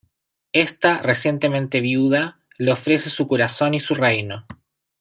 Ésta, recientemente viuda, le ofrece su corazón y su reino.